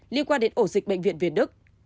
liên quan đến ổ dịch bệnh viện việt đức